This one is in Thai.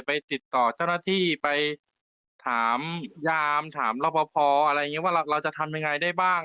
ไปติดต่อเจ้าหน้าที่ไปสอบถามยามถามรับประพออะไรอย่างนี้ว่าเราจะทำยังไงได้บ้าง